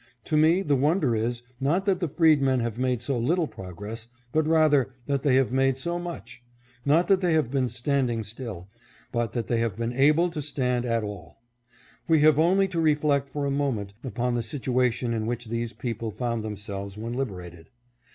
To me the wonder is, not that the freedmen have made so little progress, but, rather, that they have made so much ; not that they have been standing still, but that they have been able to stand at all. We have only to reflect for a moment upon the situation in which these people found themselves when liberated.